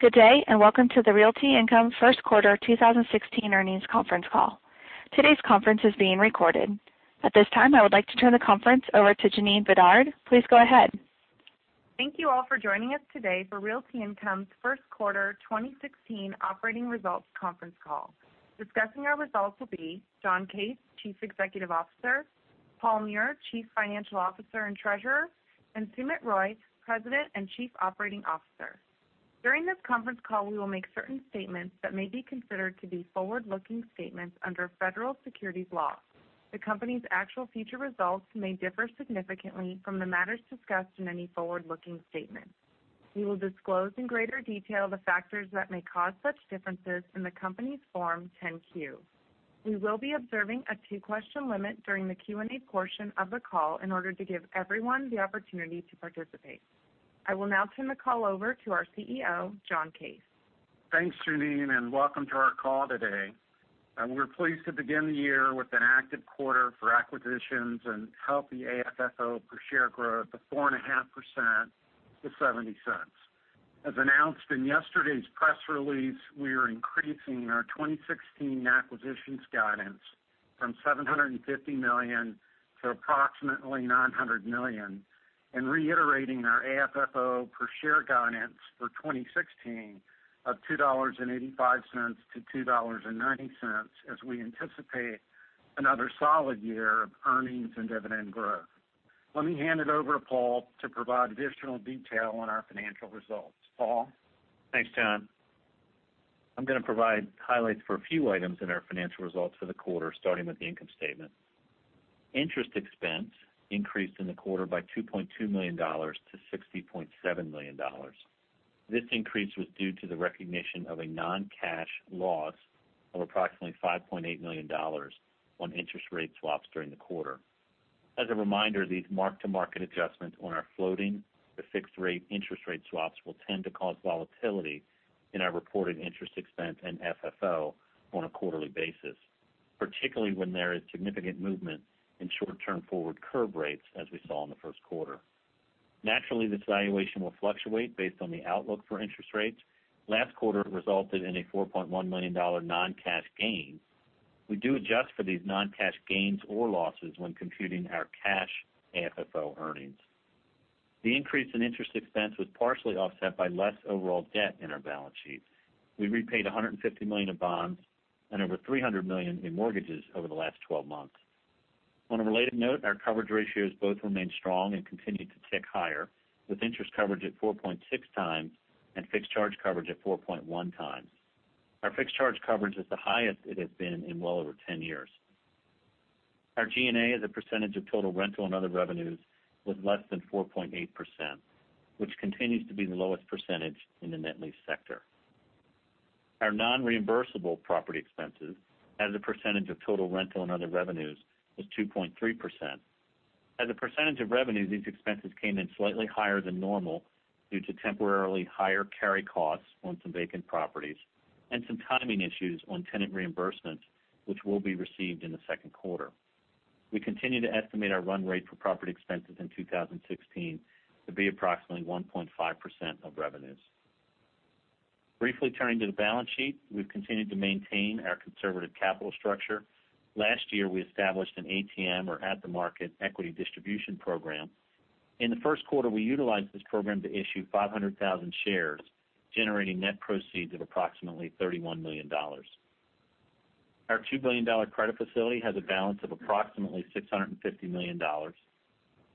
Good day. Welcome to the Realty Income first quarter 2016 earnings conference call. Today's conference is being recorded. At this time, I would like to turn the conference over to Jana Galan. Please go ahead. Thank you all for joining us today for Realty Income's first quarter 2016 operating results conference call. Discussing our results will be John Case, Chief Executive Officer, Paul Meurer, Chief Financial Officer and Treasurer, and Sumit Roy, President and Chief Operating Officer. During this conference call, we will make certain statements that may be considered to be forward-looking statements under federal securities law. The company's actual future results may differ significantly from the matters discussed in any forward-looking statement. We will disclose in greater detail the factors that may cause such differences in the company's Form 10-Q. We will be observing a two-question limit during the Q&A portion of the call in order to give everyone the opportunity to participate. I will now turn the call over to our CEO, John Case. Thanks, Jana. Welcome to our call today. We're pleased to begin the year with an active quarter for acquisitions and healthy AFFO per share growth of 4.5% to $0.70. As announced in yesterday's press release, we are increasing our 2016 acquisitions guidance from $750 million to approximately $900 million and reiterating our AFFO per share guidance for 2016 of $2.85 to $2.90, as we anticipate another solid year of earnings and dividend growth. Let me hand it over to Paul to provide additional detail on our financial results. Paul? Thanks, John. I'm going to provide highlights for a few items in our financial results for the quarter, starting with the income statement. Interest expense increased in the quarter by $2.2 million to $60.7 million. This increase was due to the recognition of a non-cash loss of approximately $5.8 million on interest rate swaps during the quarter. As a reminder, these mark-to-market adjustments on our floating-to-fixed-rate interest rate swaps will tend to cause volatility in our reported interest expense and FFO on a quarterly basis, particularly when there is significant movement in short-term forward curve rates, as we saw in the first quarter. Naturally, this valuation will fluctuate based on the outlook for interest rates. Last quarter resulted in a $4.1 million non-cash gain. We do adjust for these non-cash gains or losses when computing our cash AFFO earnings. The increase in interest expense was partially offset by less overall debt in our balance sheet. We repaid $150 million of bonds and over $300 million in mortgages over the last 12 months. On a related note, our coverage ratios both remained strong and continued to tick higher, with interest coverage at 4.6 times and fixed charge coverage at 4.1 times. Our fixed charge coverage is the highest it has been in well over 10 years. Our G&A as a percentage of total rental and other revenues was less than 4.8%, which continues to be the lowest percentage in the net lease sector. Our non-reimbursable property expenses as a percentage of total rental and other revenues was 2.3%. As a percentage of revenue, these expenses came in slightly higher than normal due to temporarily higher carry costs on some vacant properties and some timing issues on tenant reimbursements, which will be received in the second quarter. We continue to estimate our run rate for property expenses in 2016 to be approximately 1.5% of revenues. Briefly turning to the balance sheet, we've continued to maintain our conservative capital structure. Last year, we established an ATM, or at-the-market, equity distribution program. In the first quarter, we utilized this program to issue 500,000 shares, generating net proceeds of approximately $31 million. Our $2 billion credit facility has a balance of approximately $650 million.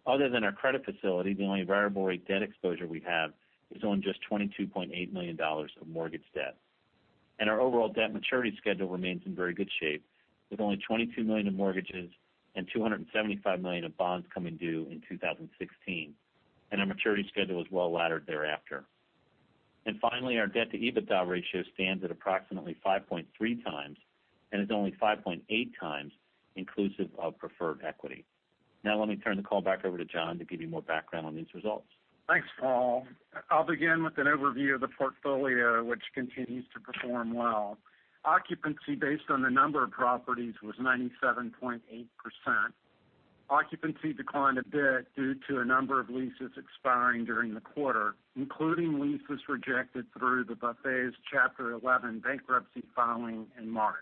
Other than our credit facility, the only variable rate debt exposure we have is on just $22.8 million of mortgage debt. Our overall debt maturity schedule remains in very good shape, with only $22 million in mortgages and $275 million of bonds coming due in 2016. Our maturity schedule is well-laddered thereafter. Finally, our debt-to-EBITDA ratio stands at approximately 5.3 times and is only 5.8 times inclusive of preferred equity. Now let me turn the call back over to John to give you more background on these results. Thanks, Paul. I'll begin with an overview of the portfolio, which continues to perform well. Occupancy based on the number of properties was 97.8%. Occupancy declined a bit due to a number of leases expiring during the quarter, including leases rejected through the Buffets Chapter 11 bankruptcy filing in March.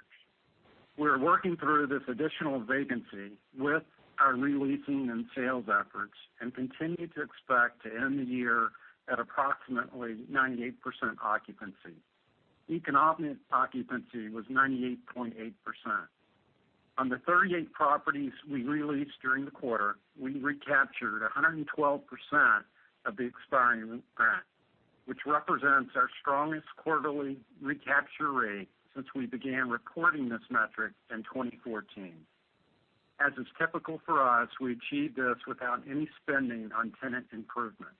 We're working through this additional vacancy with our re-leasing and sales efforts and continue to expect to end the year at approximately 98% occupancy. Economic occupancy was 98.8%. On the 38 properties we re-leased during the quarter, we recaptured 112% of the expiring rent, which represents our strongest quarterly recapture rate since we began recording this metric in 2014. As is typical for us, we achieved this without any spending on tenant improvements.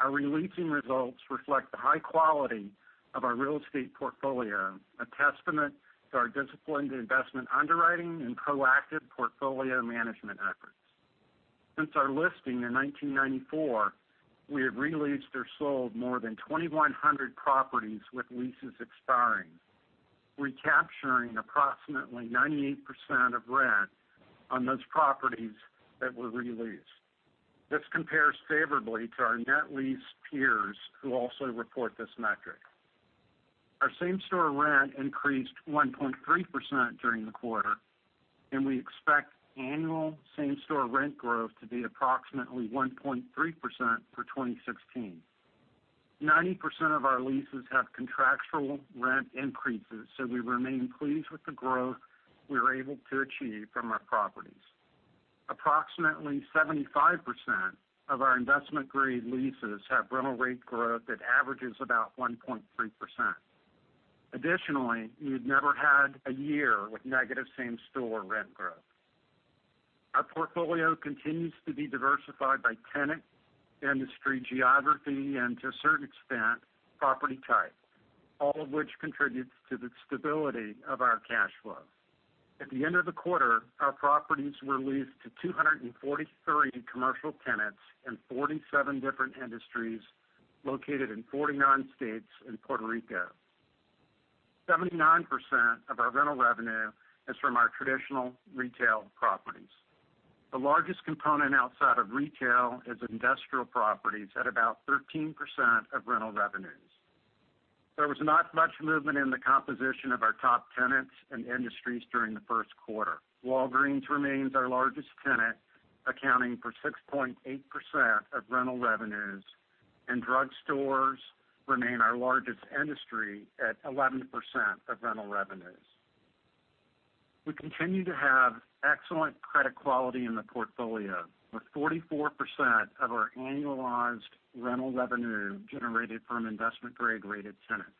Our re-leasing results reflect the high quality of our real estate portfolio, a testament to our disciplined investment underwriting and proactive portfolio management efforts. Since our listing in 1994, we have re-leased or sold more than 2,100 properties with leases expiring. Recapturing approximately 98% of rent on those properties that were re-leased. This compares favorably to our net lease peers who also report this metric. Our same-store rent increased 1.3% during the quarter, and we expect annual same-store rent growth to be approximately 1.3% for 2016. 90% of our leases have contractual rent increases, so we remain pleased with the growth we are able to achieve from our properties. Approximately 75% of our investment-grade leases have rental rate growth that averages about 1.3%. Additionally, we have never had a year with negative same-store rent growth. Our portfolio continues to be diversified by tenant, industry, geography, and to a certain extent, property type, all of which contributes to the stability of our cash flow. At the end of the quarter, our properties were leased to 243 commercial tenants in 47 different industries located in 49 states and Puerto Rico. 79% of our rental revenue is from our traditional retail properties. The largest component outside of retail is industrial properties at about 13% of rental revenues. There was not much movement in the composition of our top tenants and industries during the first quarter. Walgreens remains our largest tenant, accounting for 6.8% of rental revenues, and drugstores remain our largest industry at 11% of rental revenues. We continue to have excellent credit quality in the portfolio, with 44% of our annualized rental revenue generated from investment-grade-rated tenants.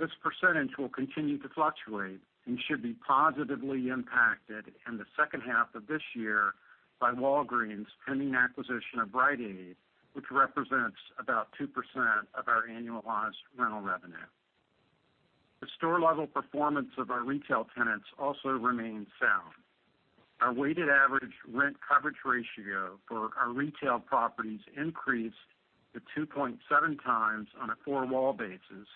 This percentage will continue to fluctuate and should be positively impacted in the second half of this year by Walgreens' pending acquisition of Rite Aid, which represents about 2% of our annualized rental revenue. The store-level performance of our retail tenants also remains sound. Our weighted average rent coverage ratio for our retail properties increased to 2.7 times on a four-wall basis,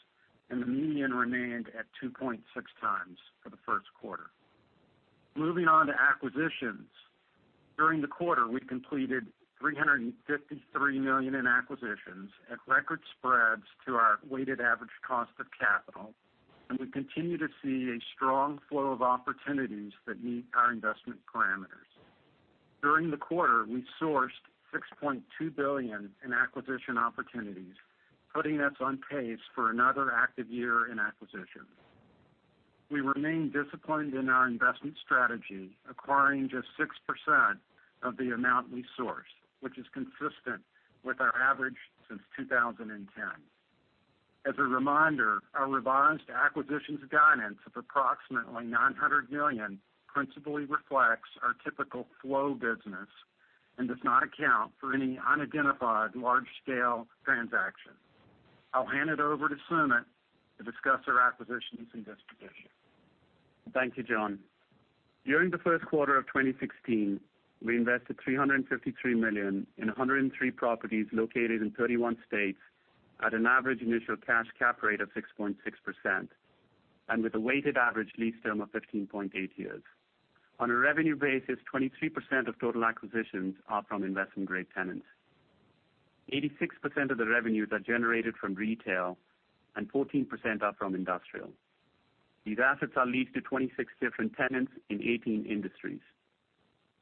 and the median remained at 2.6 times for the first quarter. Moving on to acquisitions. During the quarter, we completed $353 million in acquisitions at record spreads to our weighted average cost of capital, and we continue to see a strong flow of opportunities that meet our investment parameters. During the quarter, we sourced $6.2 billion in acquisition opportunities, putting us on pace for another active year in acquisitions. We remain disciplined in our investment strategy, acquiring just 6% of the amount we source, which is consistent with our average since 2010. As a reminder, our revised acquisitions guidance of approximately $900 million principally reflects our typical flow business and does not account for any unidentified large-scale transactions. I'll hand it over to Sumit to discuss our acquisitions and dispositions. Thank you, John. During the first quarter of 2016, we invested $353 million in 103 properties located in 31 states at an average initial cash cap rate of 6.6%, and with a weighted average lease term of 15.8 years. On a revenue basis, 23% of total acquisitions are from investment-grade tenants. 86% of the revenues are generated from retail, and 14% are from industrial. These assets are leased to 26 different tenants in 18 industries.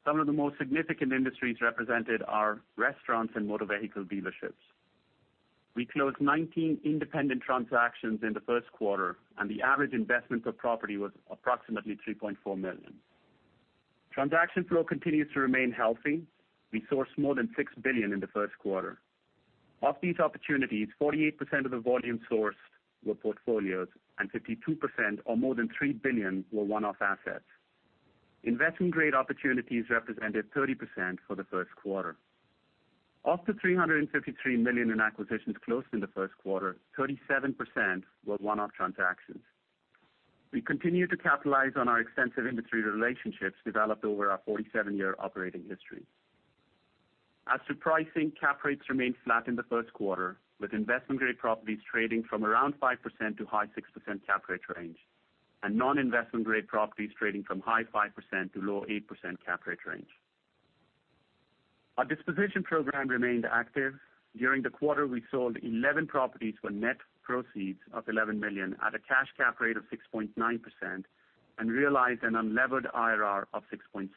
Some of the most significant industries represented are restaurants and motor vehicle dealerships. We closed 19 independent transactions in the first quarter, and the average investment per property was approximately $3.4 million. Transaction flow continues to remain healthy. We sourced more than $6 billion in the first quarter. Of these opportunities, 48% of the volume sourced were portfolios, and 52%, or more than $3 billion, were one-off assets. Investment-grade opportunities represented 30% for the first quarter. Of the $353 million in acquisitions closed in the first quarter, 37% were one-off transactions. We continue to capitalize on our extensive industry relationships developed over our 47-year operating history. As to pricing, cap rates remained flat in the first quarter, with investment-grade properties trading from around 5% to high 6% cap rate range, and non-investment-grade properties trading from high 5% to low 8% cap rate range. Our disposition program remained active. During the quarter, we sold 11 properties for net proceeds of $11 million at a cash cap rate of 6.9% and realized an unlevered IRR of 6.6%.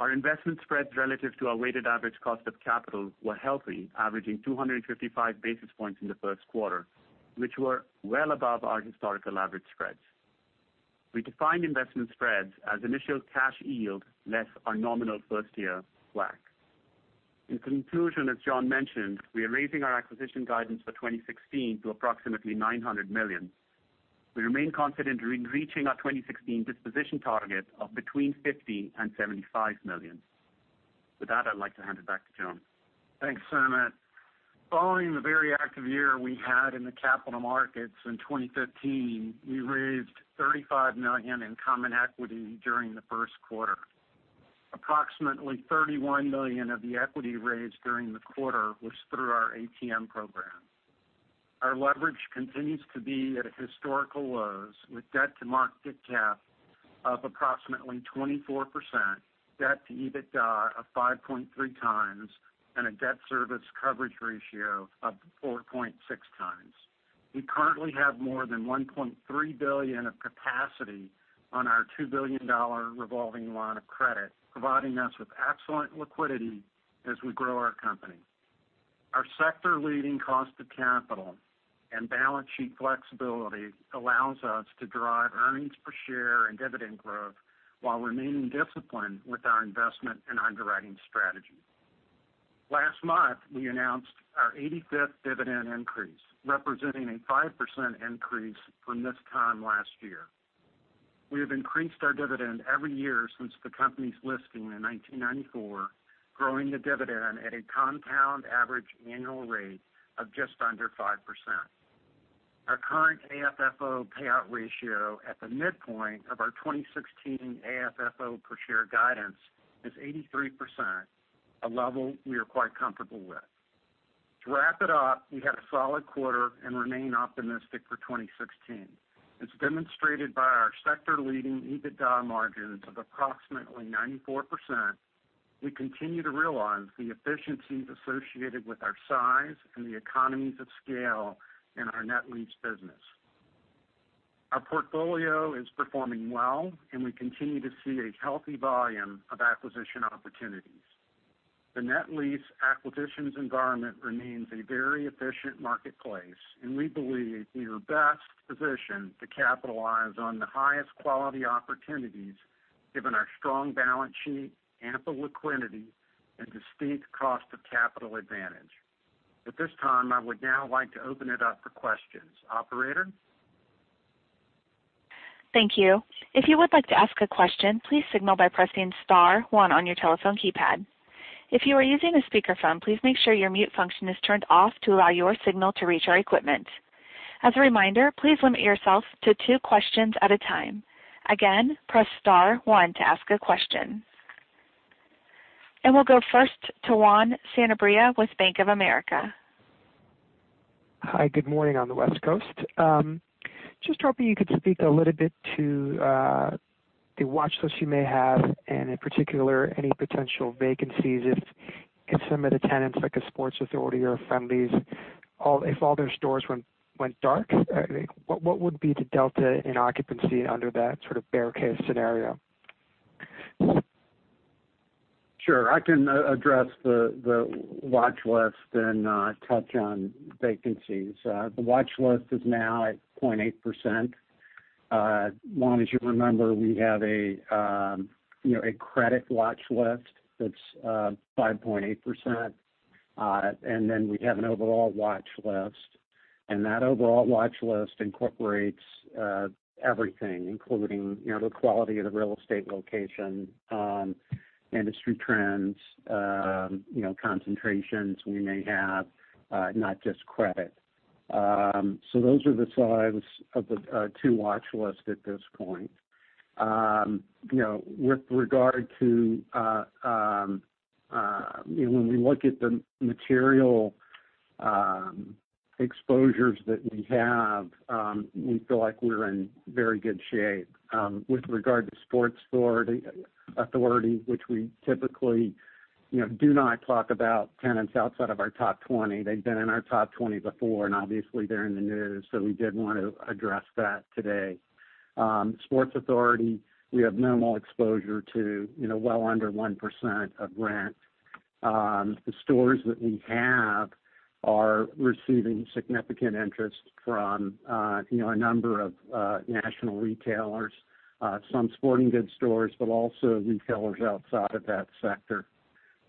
Our investment spreads relative to our weighted average cost of capital were healthy, averaging 255 basis points in the first quarter, which were well above our historical average spreads. We define investment spreads as initial cash yield less our nominal first-year WACC. In conclusion, as John mentioned, we are raising our acquisition guidance for 2016 to approximately $900 million. We remain confident in reaching our 2016 disposition target of between $50 million and $75 million. With that, I'd like to hand it back to John. Thanks, Sumit. Following the very active year we had in the capital markets in 2015, we raised $35 million in common equity during the first quarter. Approximately $31 million of the equity raised during the quarter was through our ATM program. Our leverage continues to be at historical lows, with debt to market cap of approximately 24%, debt to EBITDA of 5.3 times, and a debt service coverage ratio of 4.6 times. We currently have more than $1.3 billion of capacity on our $2 billion revolving line of credit, providing us with excellent liquidity as we grow our company. Our sector-leading cost of capital and balance sheet flexibility allows us to drive earnings per share and dividend growth while remaining disciplined with our investment and underwriting strategy. Last month, we announced our 85th dividend increase, representing a 5% increase from this time last year. We have increased our dividend every year since the company's listing in 1994, growing the dividend at a compound average annual rate of just under 5%. Our current AFFO payout ratio at the midpoint of our 2016 AFFO per share guidance is 83%, a level we are quite comfortable with. To wrap it up, we had a solid quarter and remain optimistic for 2016. As demonstrated by our sector-leading EBITDA margins of approximately 94%, we continue to realize the efficiencies associated with our size and the economies of scale in our net lease business. Our portfolio is performing well, and we continue to see a healthy volume of acquisition opportunities. The net lease acquisitions environment remains a very efficient marketplace, and we believe we are best positioned to capitalize on the highest quality opportunities given our strong balance sheet, ample liquidity, and distinct cost of capital advantage. At this time, I would now like to open it up for questions. Operator? Thank you. If you would like to ask a question, please signal by pressing *1 on your telephone keypad. If you are using a speakerphone, please make sure your mute function is turned off to allow your signal to reach our equipment. As a reminder, please limit yourself to two questions at a time. Again, press *1 to ask a question. We'll go first to Juan Sanabria with Bank of America. Hi, good morning on the West Coast. Just hoping you could speak a little bit to the watch list you may have, and in particular, any potential vacancies if some of the tenants, like a Sports Authority or a Friendly's, if all their stores went dark, what would be the delta in occupancy under that sort of bear case scenario? Sure. I can address the watch list and touch on vacancies. The watch list is now at 0.8%. Juan, as you remember, we have a credit watch list that's 5.8%, and then we have an overall watch list. That overall watch list incorporates everything, including the quality of the real estate location, industry trends, concentrations we may have, not just credit. Those are the size of the two watch lists at this point. With regard to when we look at the material exposures that we have, we feel like we're in very good shape. With regard to Sports Authority, which we typically do not talk about tenants outside of our top 20. They've been in our top 20 before, and obviously they're in the news, so we did want to address that today. Sports Authority, we have minimal exposure to well under 1% of rent. The stores that we have are receiving significant interest from a number of national retailers, some sporting goods stores, but also retailers outside of that sector.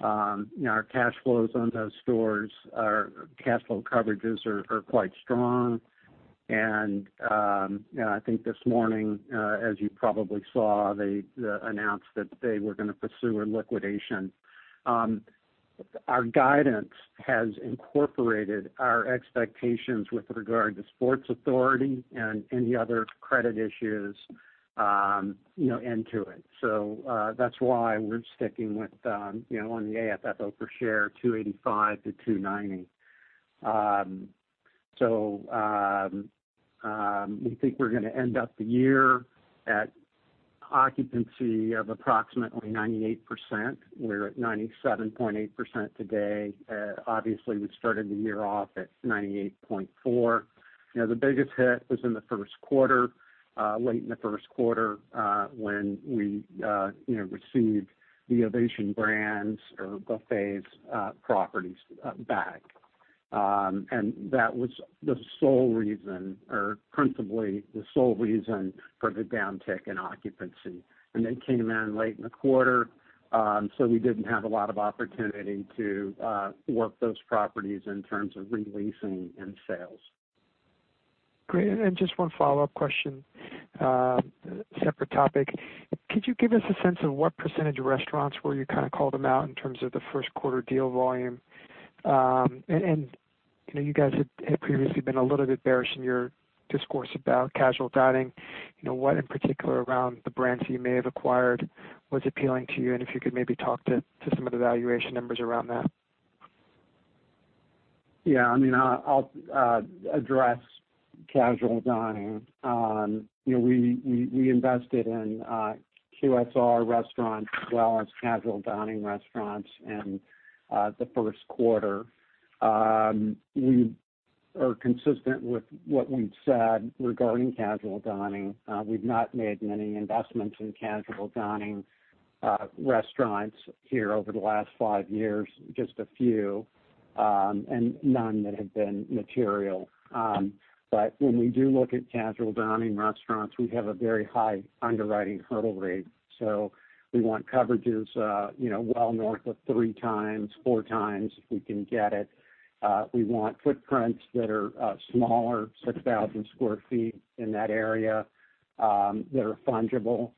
Our cash flows on those stores, our cash flow coverages are quite strong. I think this morning, as you probably saw, they announced that they were going to pursue a liquidation. Our guidance has incorporated our expectations with regard to Sports Authority and any other credit issues into it. That's why we're sticking with on the AFFO per share of $2.85 to $2.90. We think we're going to end up the year at occupancy of approximately 98%. We're at 97.8% today. Obviously, we started the year off at 98.4. The biggest hit was in the first quarter, late in the first quarter, when we received the Ovation Brands or Buffets properties back. That was the sole reason, or principally the sole reason for the downtick in occupancy. They came in late in the quarter, so we didn't have a lot of opportunity to work those properties in terms of re-leasing and sales. Great. Just one follow-up question. Separate topic. Could you give us a sense of what percentage of restaurants where you kind of called them out in terms of the first quarter deal volume? You guys had previously been a little bit bearish in your discourse about casual dining. What in particular around the brands that you may have acquired was appealing to you? If you could maybe talk to some of the valuation numbers around that. Yeah. I'll address casual dining. We invested in QSR restaurants as well as casual dining restaurants in the first quarter. We are consistent with what we've said regarding casual dining. We've not made many investments in casual dining restaurants here over the last five years, just a few, and none that have been material. When we do look at casual dining restaurants, we have a very high underwriting hurdle rate. We want coverages well north of three times, four times, if we can get it. We want footprints that are smaller, 6,000 sq ft, in that area, that are fungible.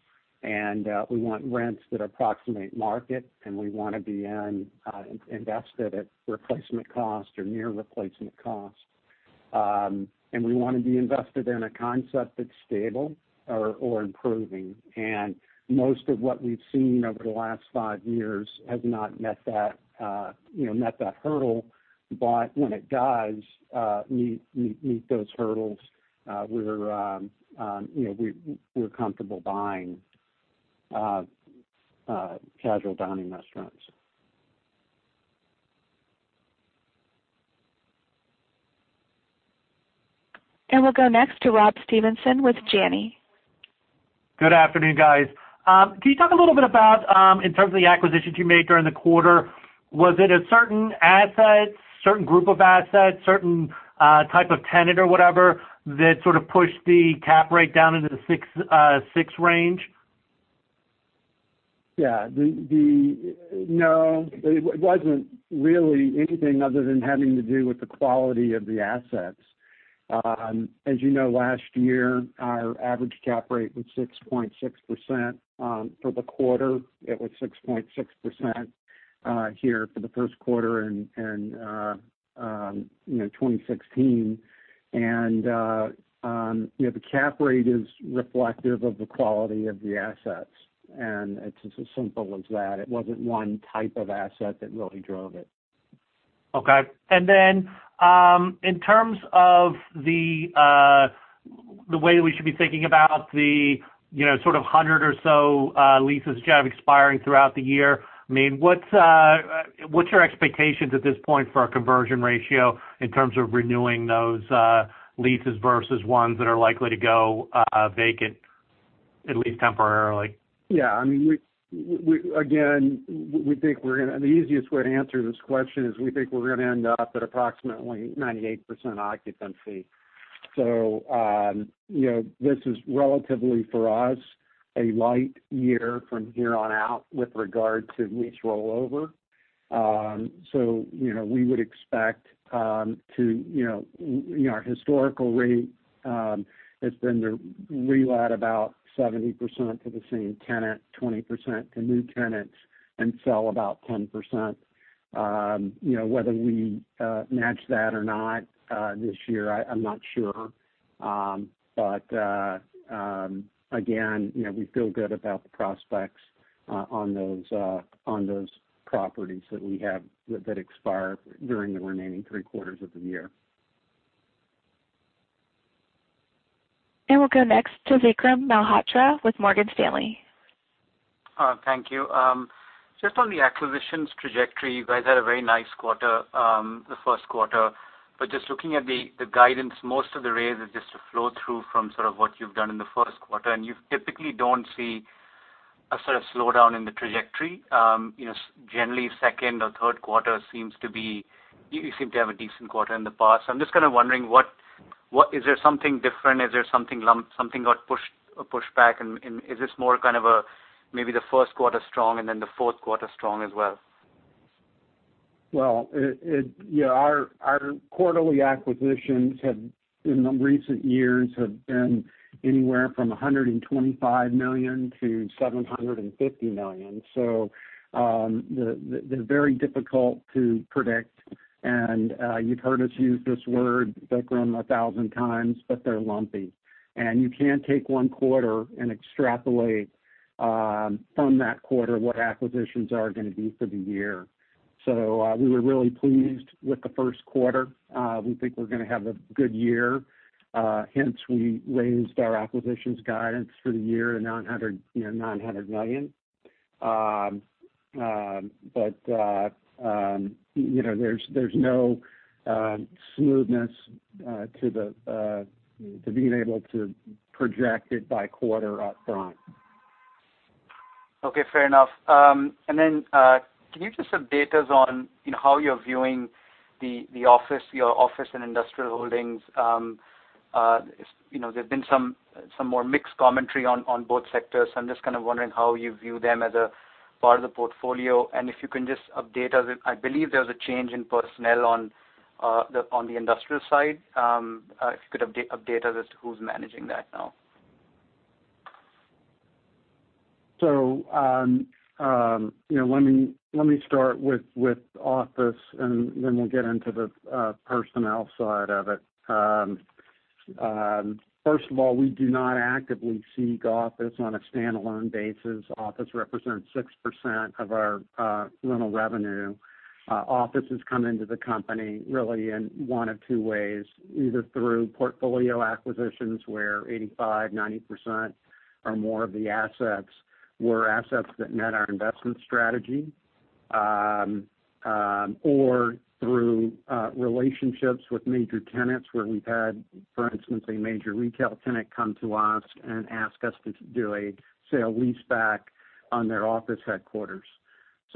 We want rents that approximate market, and we want to be invested at replacement cost or near replacement cost. We want to be invested in a concept that's stable or improving. Most of what we've seen over the last five years has not met that hurdle, but when it does meet those hurdles, we're comfortable buying casual dining restaurants. We'll go next to Rob Stevenson with Janney. Good afternoon, guys. Can you talk a little bit about, in terms of the acquisitions you made during the quarter, was it a certain asset, certain group of assets, certain type of tenant or whatever that sort of pushed the cap rate down into the six range? No, it wasn't really anything other than having to do with the quality of the assets. As you know, last year, our average cap rate was 6.6%. For the quarter, it was 6.6% here for the first quarter in 2016. The cap rate is reflective of the quality of the assets, and it's as simple as that. It wasn't one type of asset that really drove it. Okay. In terms of the way that we should be thinking about the sort of 100 or so leases you have expiring throughout the year, what's your expectations at this point for a conversion ratio in terms of renewing those leases versus ones that are likely to go vacant, at least temporarily? Yeah. Again, the easiest way to answer this question is we think we're going to end up at approximately 98% occupancy. This is relatively for us, a light year from here on out with regard to lease rollover. We would expect to Our historical rate has been to relet about 70% to the same tenant, 20% to new tenants, and sell about 10%. Whether we match that or not this year, I'm not sure. Again, we feel good about the prospects on those properties that we have that expire during the remaining three quarters of the year. We'll go next to Vikram Malhotra with Morgan Stanley. Thank you. Just on the acquisitions trajectory, you guys had a very nice quarter the first quarter. Just looking at the guidance, most of the raise is just a flow through from sort of what you've done in the first quarter, and you typically don't see a sort of slowdown in the trajectory. Generally, second or third quarter you seem to have a decent quarter in the past. I'm just kind of wondering, is there something different? Is there something got pushed back, and is this more kind of a maybe the first quarter strong and then the fourth quarter strong as well? Well, yeah, our quarterly acquisitions in the recent years have been anywhere from $125 million to $750 million, so they're very difficult to predict. You've heard us use this word, Vikram, 1,000 times, they're lumpy. You can't take one quarter and extrapolate from that quarter what acquisitions are going to be for the year. We were really pleased with the first quarter. We think we're going to have a good year, hence we raised our acquisitions guidance for the year to $900 million. There's no smoothness to being able to project it by quarter upfront. Okay, fair enough. Can you just update us on how you're viewing your office and industrial holdings? There's been some more mixed commentary on both sectors. I'm just kind of wondering how you view them as a part of the portfolio, and if you can just update us, I believe there was a change in personnel on the industrial side. If you could update us as to who's managing that now. Let me start with office, then we'll get into the personnel side of it. First of all, we do not actively seek office on a standalone basis. Office represents 6% of our rental revenue. Offices come into the company really in one of two ways, either through portfolio acquisitions where 85%, 90% or more of the assets were assets that met our investment strategy, or through relationships with major tenants where we've had, for instance, a major retail tenant come to us and ask us to do a sale-leaseback on their office headquarters.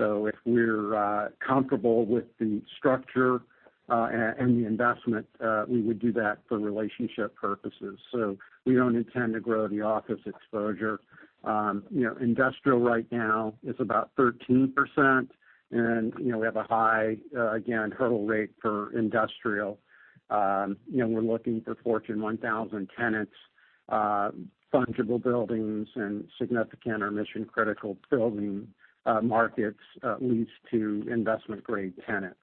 If we're comfortable with the structure and the investment, we would do that for relationship purposes. We don't intend to grow the office exposure. Industrial right now is about 13%, and we have a high, again, hurdle rate for industrial. We're looking for Fortune 1000 tenants, fungible buildings, and significant or mission-critical building markets leased to investment-grade tenants.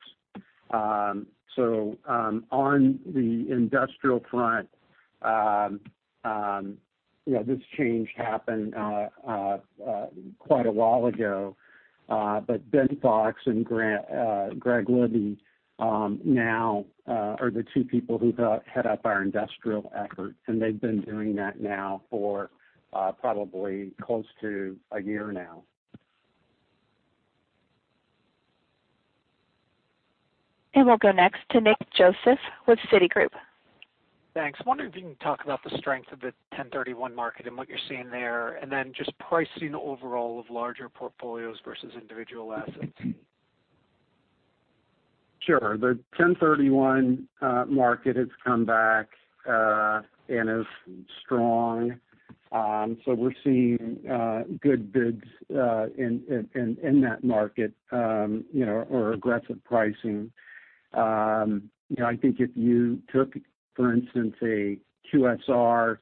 On the industrial front, this change happened quite a while ago. Benjamin Fox and Greg Libby now are the two people who head up our industrial efforts, and they've been doing that now for probably close to a year now. We'll go next to Nick Joseph with Citigroup. Thanks. Wondering if you can talk about the strength of the 1031 market and what you're seeing there, and just pricing overall of larger portfolios versus individual assets. Sure. The 1031 market has come back and is strong. We're seeing good bids in that market or aggressive pricing. I think if you took, for instance, a QSR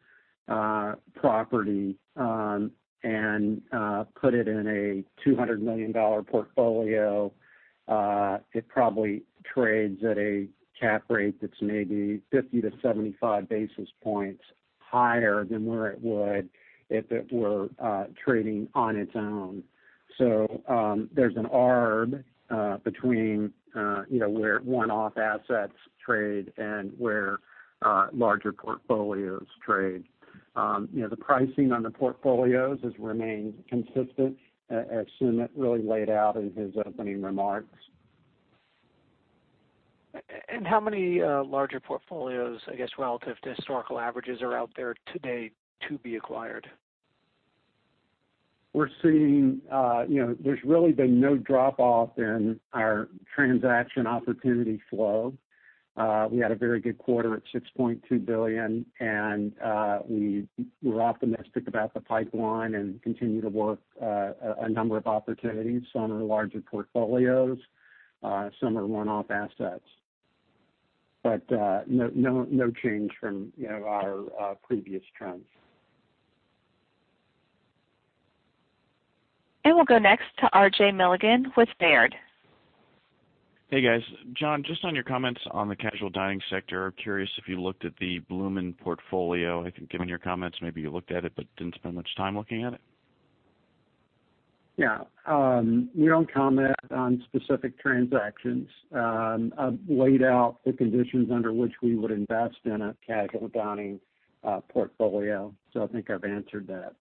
property and put it in a $200 million portfolio, it probably trades at a cap rate that's maybe 50 to 75 basis points higher than where it would if it were trading on its own. There's an arb between where one-off assets trade and where larger portfolios trade. The pricing on the portfolios has remained consistent, as Sumit really laid out in his opening remarks. How many larger portfolios, I guess relative to historical averages, are out there today to be acquired? We're seeing there's really been no drop-off in our transaction opportunity flow. We had a very good quarter at $6.2 billion. We're optimistic about the pipeline and continue to work a number of opportunities. Some are larger portfolios, some are one-off assets. No change from our previous trends. We'll go next to RJ Milligan with Baird. Hey, guys. John, just on your comments on the casual dining sector, curious if you looked at the Bloomin' portfolio. I think given your comments, maybe you looked at it but didn't spend much time looking at it. We don't comment on specific transactions. I've laid out the conditions under which we would invest in a casual dining portfolio. I think I've answered that.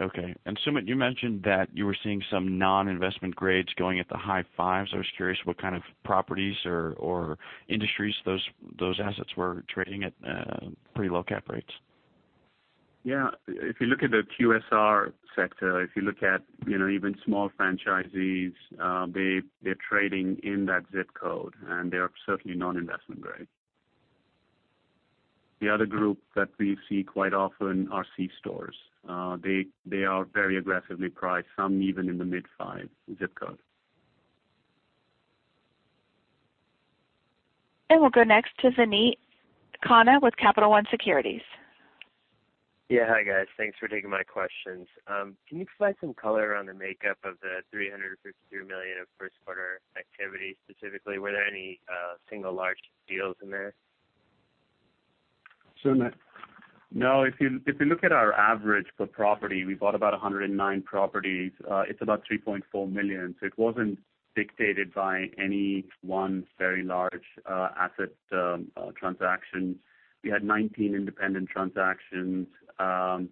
Sumit, you mentioned that you were seeing some non-investment grades going at the high fives. I was curious what kind of properties or industries those assets were trading at pretty low cap rates. If you look at the QSR sector, if you look at even small franchisees, they're trading in that ZIP code, and they are certainly non-investment grade. The other group that we see quite often are C-stores. They are very aggressively priced, some even in the mid-five ZIP code. We'll go next to Vineet Khanna with Capital One Securities. Yeah. Hi, guys. Thanks for taking my questions. Can you provide some color on the makeup of the $353 million of first quarter activity? Specifically, were there any single large deals in there? Sumit. No. If you look at our average per property, we bought about 109 properties. It's about $3.4 million. It wasn't dictated by any one very large asset transaction. We had 19 independent transactions. There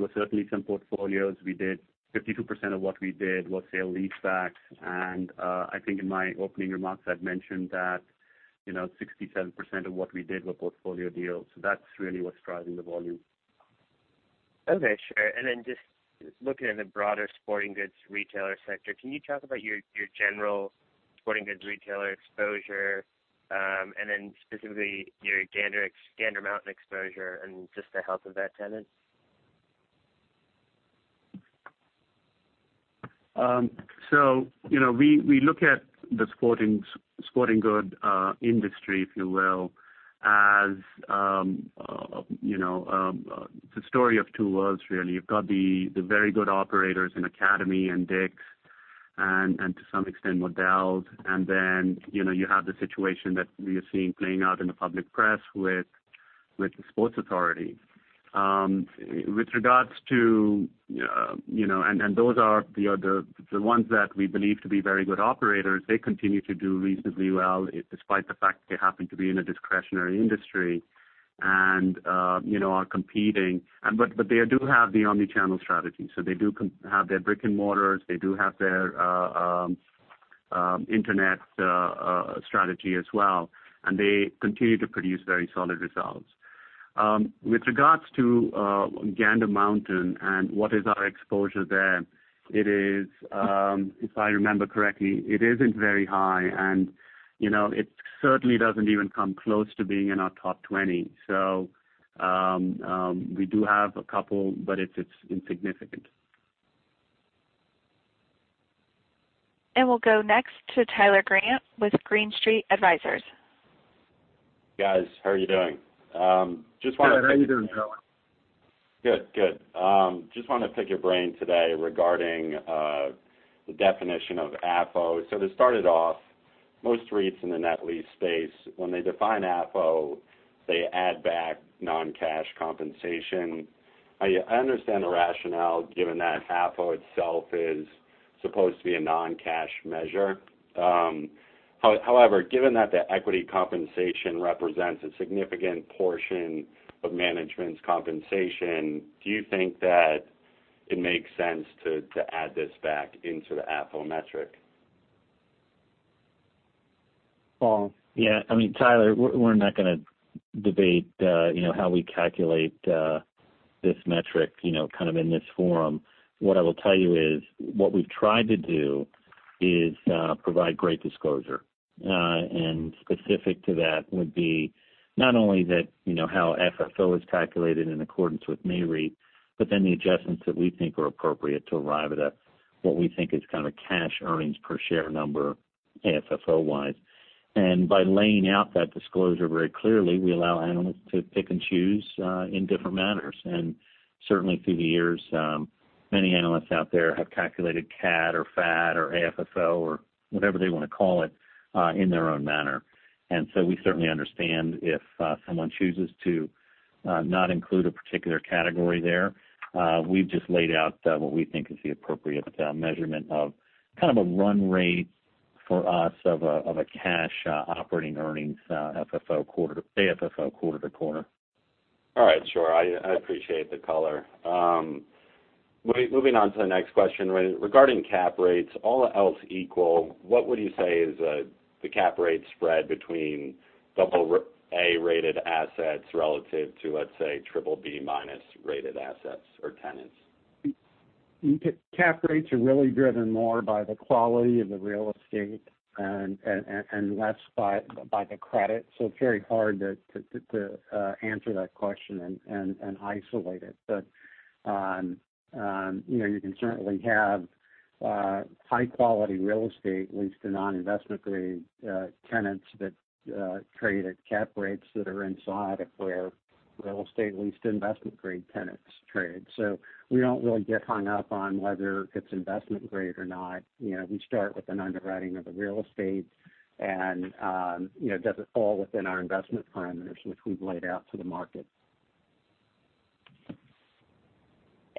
were certainly some portfolios. We did 52% of what we did was sale-leaseback. I think in my opening remarks, I've mentioned that 67% of what we did were portfolio deals. That's really what's driving the volume. Okay, sure. Then just looking at the broader sporting goods retailer sector, can you talk about your general sporting goods retailer exposure, then specifically your Gander Mountain exposure and just the health of that tenant? We look at the sporting goods industry, if you will, as the story of two worlds, really. You've got the very good operators in Academy and Dick's, and to some extent, Modell's. Then you have the situation that we are seeing playing out in the public press with the Sports Authority. Those are the ones that we believe to be very good operators. They continue to do reasonably well, despite the fact they happen to be in a discretionary industry and are competing. They do have the omni-channel strategy. They do have their brick and mortars, they do have their internet strategy as well, they continue to produce very solid results. With regards to Gander Mountain and what is our exposure there, if I remember correctly, it isn't very high. It certainly doesn't even come close to being in our top 20. We do have a couple, but it's insignificant. We'll go next to Tyler Grant with Green Street Advisors. Guys, how are you doing? Good. How are you doing, Tyler? Good. Just wanted to pick your brain today regarding the definition of AFFO. To start it off, most REITs in the net lease space, when they define AFFO, they add back non-cash compensation. I understand the rationale, given that AFFO itself is supposed to be a non-cash measure. Given that the equity compensation represents a significant portion of management's compensation, do you think that it makes sense to add this back into the AFFO metric? Paul? Yeah. Tyler, we're not going to debate how we calculate this metric kind of in this forum. What I will tell you is, what we've tried to do is provide great disclosure. Specific to that would be not only that how AFFO is calculated in accordance with Nareit, but then the adjustments that we think are appropriate to arrive at a, what we think is kind of cash earnings per share number AFFO-wise. By laying out that disclosure very clearly, we allow analysts to pick and choose in different manners. Certainly through the years, many analysts out there have calculated CAD or FAD or AFFO or whatever they want to call it, in their own manner. We certainly understand if someone chooses to not include a particular category there. We've just laid out what we think is the appropriate measurement of kind of a run rate for us of a cash operating earnings AFFO quarter to quarter. All right. Sure. I appreciate the color. Moving on to the next question. Regarding cap rates, all else equal, what would you say is the cap rate spread between double A-rated assets relative to, let's say, triple B-minus rated assets or tenants? Cap rates are really driven more by the quality of the real estate and less by the credit. It's very hard to answer that question and isolate it. You can certainly have high-quality real estate leased to non-investment grade tenants that trade at cap rates that are inside of where real estate-leased investment grade tenants trade. We don't really get hung up on whether it's investment grade or not. We start with an underwriting of the real estate, and does it fall within our investment parameters, which we've laid out to the market.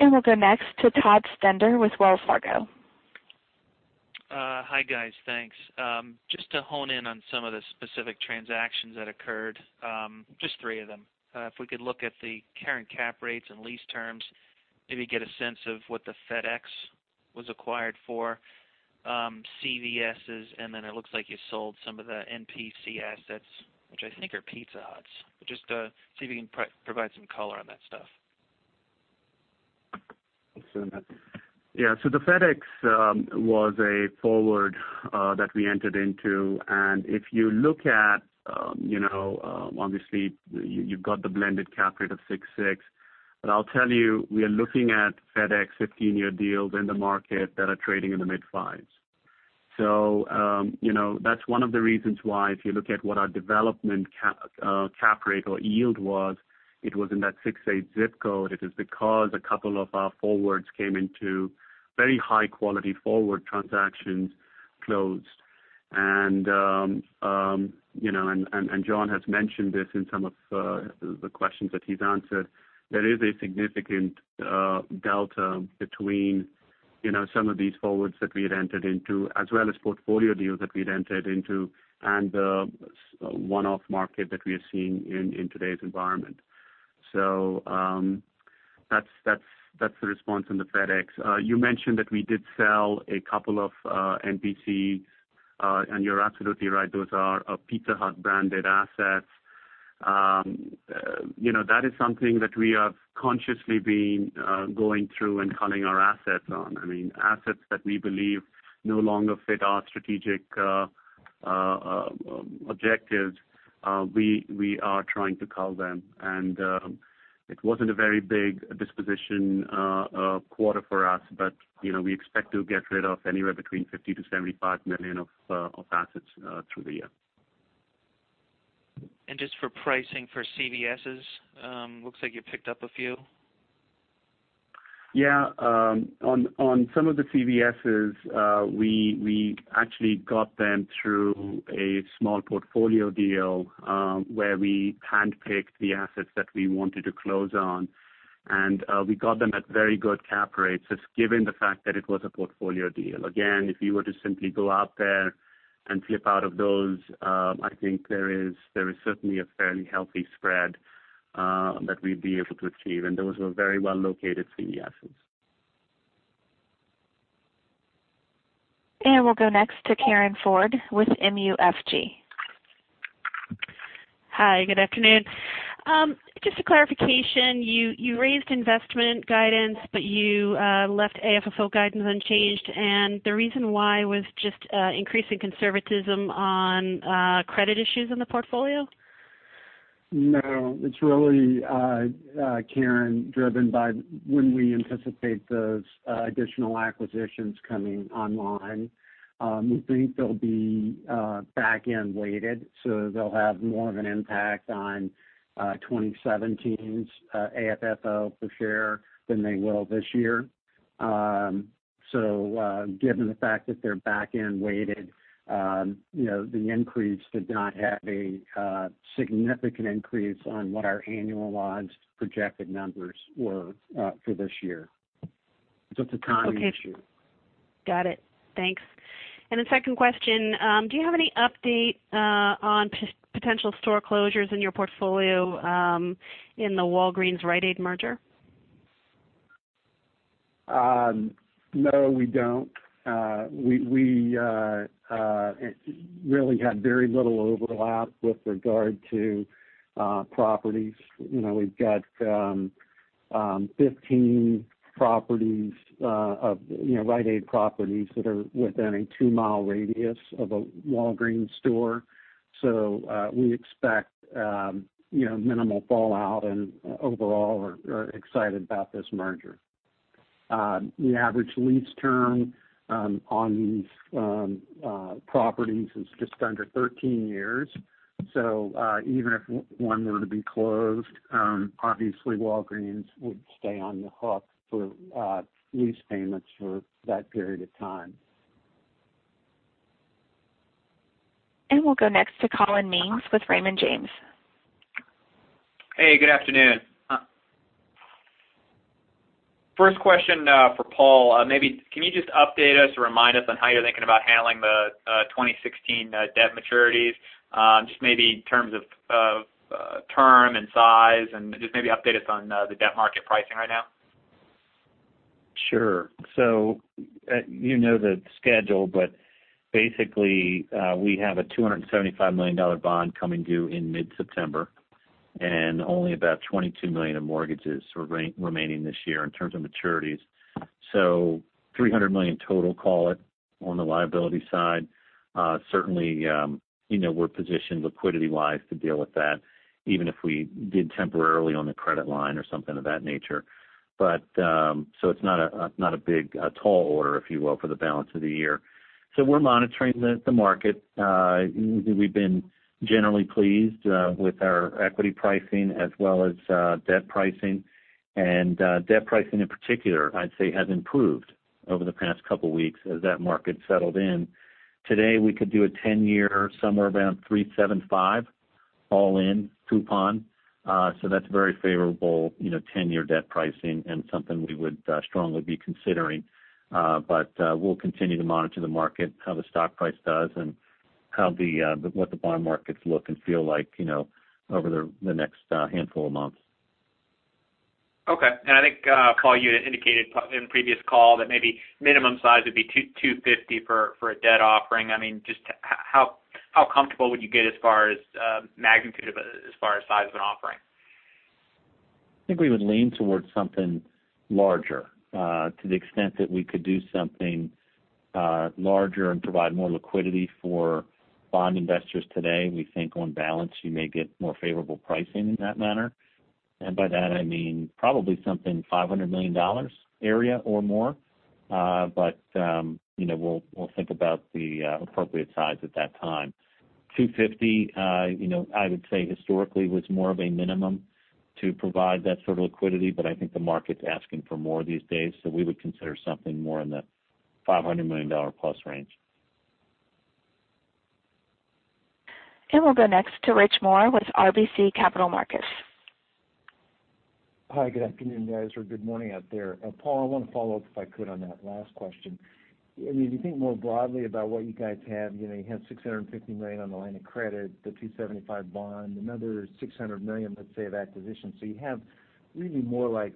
We'll go next to Todd Stender with Wells Fargo. Hi, guys. Thanks. Just to hone in on some of the specific transactions that occurred, just three of them. If we could look at the current cap rates and lease terms, maybe get a sense of what the FedEx was acquired for. CVS's, and then it looks like you sold some of the NPC assets, which I think are Pizza Hut's. Just to see if you can provide some color on that stuff. Yeah. The FedEx was a forward that we entered into, and if you look at, obviously, you've got the blended cap rate of six six. I'll tell you, we are looking at FedEx 15-year deals in the market that are trading in the mid-fives. That's one of the reasons why, if you look at what our development cap rate or yield was, it was in that six eight zip code. It is because a couple of our forwards came into very high-quality forward transactions closed. John has mentioned this in some of the questions that he's answered. There is a significant delta between some of these forwards that we had entered into, as well as portfolio deals that we'd entered into, and the one-off market that we are seeing in today's environment. That's the response on the FedEx. You mentioned that we did sell a couple of NPC. You're absolutely right. Those are Pizza Hut-branded assets. That is something that we have consciously been going through and culling our assets on. Assets that we believe no longer fit our strategic objectives, we are trying to cull them. It wasn't a very big disposition quarter for us, but we expect to get rid of anywhere between $50 million to $75 million of assets through the year. Just for pricing for CVSs, looks like you picked up a few. Yeah. On some of the CVSs, we actually got them through a small portfolio deal, where we handpicked the assets that we wanted to close on, and we got them at very good cap rates, just given the fact that it was a portfolio deal. Again, if you were to simply go out there and flip out of those, I think there is certainly a fairly healthy spread that we'd be able to achieve, and those were very well-located CVSs. We'll go next to Karin Ford with MUFG. Hi, good afternoon. Just a clarification. You raised investment guidance, you left AFFO guidance unchanged. The reason why was just increasing conservatism on credit issues in the portfolio? No. It's really, Karin, driven by when we anticipate those additional acquisitions coming online. We think they'll be back-end weighted, so they'll have more of an impact on 2017's AFFO per share than they will this year. Given the fact that they're back-end weighted, the increase did not have a significant increase on what our annualized projected numbers were for this year. It's a timing issue. Okay. Got it. Thanks. The second question, do you have any update on potential store closures in your portfolio in the Walgreens-Rite Aid merger? No, we don't. We really had very little overlap with regard to properties. We've got 15 Rite Aid properties that are within a two-mile radius of a Walgreens store. We expect minimal fallout, and overall, are excited about this merger. The average lease term on these properties is just under 13 years. Even if one were to be closed, obviously Walgreens would stay on the hook for lease payments for that period of time. We'll go next to Collin Mui with Raymond James. Hey, good afternoon. First question for Paul. Maybe can you just update us or remind us on how you're thinking about handling the 2016 debt maturities, just maybe in terms of term and size, and just maybe update us on the debt market pricing right now? Sure. You know the schedule, but basically, we have a $275 million bond coming due in mid-September, and only about $22 million of mortgages remaining this year in terms of maturities. $300 million total, call it, on the liability side. Certainly, we're positioned liquidity-wise to deal with that, even if we did temporarily on the credit line or something of that nature. It's not a big, tall order, if you will, for the balance of the year. We're monitoring the market. We've been generally pleased with our equity pricing as well as debt pricing, and debt pricing in particular, I'd say, has improved over the past couple of weeks as that market settled in. Today, we could do a 10-year somewhere around $3.75 all in coupon. That's very favorable 10-year debt pricing and something we would strongly be considering. We'll continue to monitor the market, how the stock price does, and what the bond markets look and feel like over the next handful of months. Okay. I think, Paul, you had indicated in previous call that maybe minimum size would be $250 million for a debt offering. How comfortable would you get as far as magnitude of it as far as size of an offering? I think we would lean towards something larger to the extent that we could do something larger and provide more liquidity for bond investors today. We think on balance, you may get more favorable pricing in that manner. By that, I mean probably something $500 million area or more. We'll think about the appropriate size at that time. $250 million, I would say historically was more of a minimum to provide that sort of liquidity, I think the market's asking for more these days, so we would consider something more in the $500 million-plus range. We'll go next to Rich Moore with RBC Capital Markets. Hi, good afternoon, guys, or good morning out there. Paul, I want to follow up, if I could, on that last question. If you think more broadly about what you guys have. You have $650 million on the line of credit, the $275 bond, another $600 million, let's say, of acquisitions. You have really more like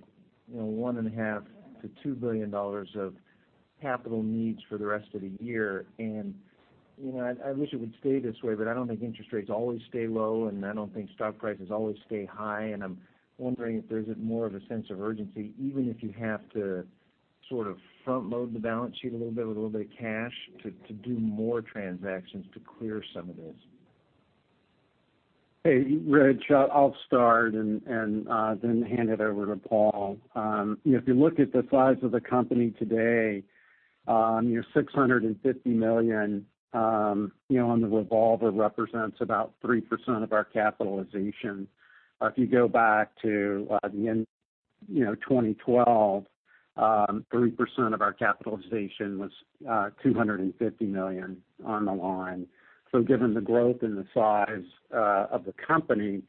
$1.5 billion-$2 billion of capital needs for the rest of the year. I wish it would stay this way, but I don't think interest rates always stay low, I don't think stock prices always stay high, I'm wondering if there's more of a sense of urgency, even if you have to Sort of front-load the balance sheet a little bit with a little bit of cash to do more transactions to clear some of this. Hey, Rich, I'll start and then hand it over to Paul. If you look at the size of the company today, your $650 million on the revolver represents about 3% of our capitalization. If you go back to the end of 2012, 3% of our capitalization was $250 million on the line. Given the growth and the size of the company,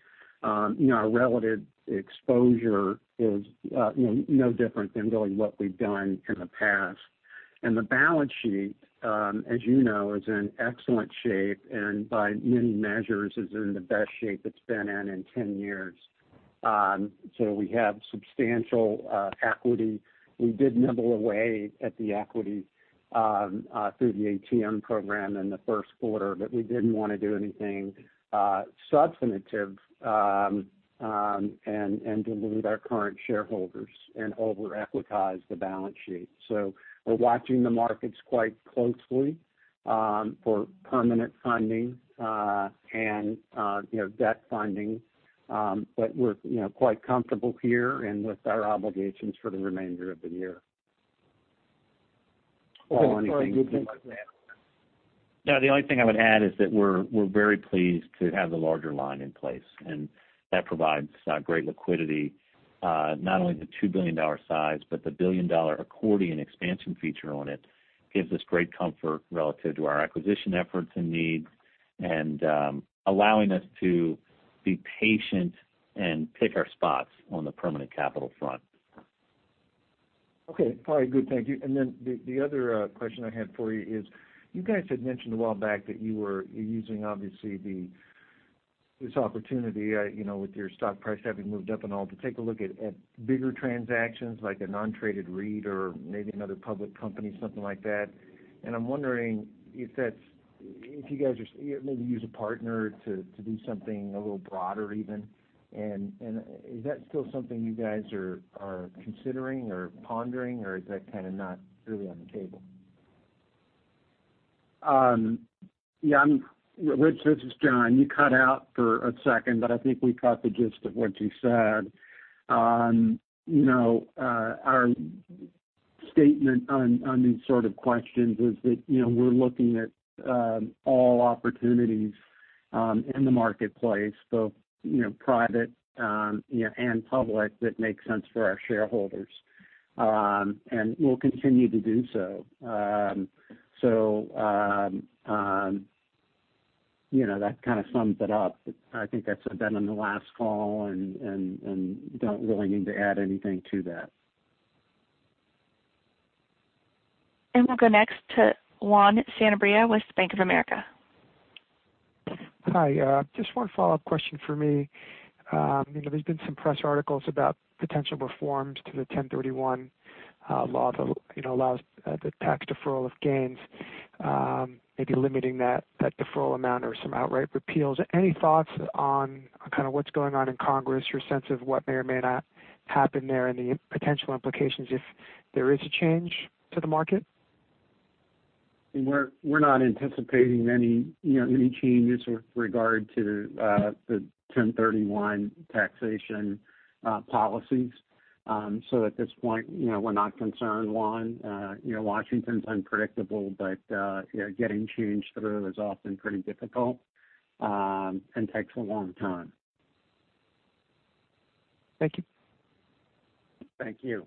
our relative exposure is no different than really what we've done in the past. The balance sheet, as you know, is in excellent shape, by many measures is in the best shape it's been in in 10 years. We have substantial equity. We did nibble away at the equity through the ATM program in the first quarter, we didn't want to do anything substantive and dilute our current shareholders and over-equitize the balance sheet. We're watching the markets quite closely for permanent funding and debt funding. We're quite comfortable here and with our obligations for the remainder of the year. Paul, anything you'd like to add? No, the only thing I would add is that we're very pleased to have the larger line in place, that provides great liquidity. Not only the $2 billion size, but the billion-dollar accordion expansion feature on it gives us great comfort relative to our acquisition efforts and needs, allowing us to be patient and pick our spots on the permanent capital front. Okay. All right. Good. Thank you. Then the other question I had for you is, you guys had mentioned a while back that you were using obviously this opportunity, with your stock price having moved up and all, to take a look at bigger transactions like a non-traded REIT or maybe another public company, something like that. I'm wondering if you guys are maybe use a partner to do something a little broader even. Is that still something you guys are considering or pondering, or is that kind of not really on the table? Yeah. Rich, this is John. You cut out for a second, I think we caught the gist of what you said. Our statement on these sort of questions is that we're looking at all opportunities in the marketplace, both private and public, that make sense for our shareholders. We'll continue to do so. That kind of sums it up. I think I said that on the last call, don't really need to add anything to that. We'll go next to Juan Sanabria with Bank of America. Hi. Just one follow-up question for me. There's been some press articles about potential reforms to the 1031 law that allows the tax deferral of gains, maybe limiting that deferral amount or some outright repeals. Any thoughts on kind of what's going on in Congress, your sense of what may or may not happen there, and the potential implications if there is a change to the market? We're not anticipating any changes with regard to the 1031 taxation policies. At this point, we're not concerned, Juan. Washington's unpredictable, getting change through is often pretty difficult and takes a long time. Thank you. Thank you.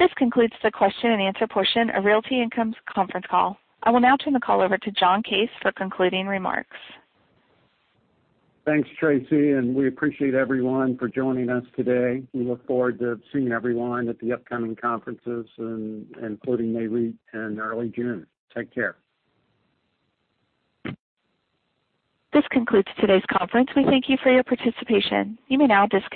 This concludes the question and answer portion of Realty Income's conference call. I will now turn the call over to John Case for concluding remarks. Thanks, Tracy. We appreciate everyone for joining us today. We look forward to seeing everyone at the upcoming conferences, including Nareit in early June. Take care. This concludes today's conference. We thank you for your participation. You may now disconnect.